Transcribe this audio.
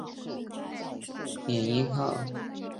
缅因号潜艇的母港为华盛顿州的基察普海军基地。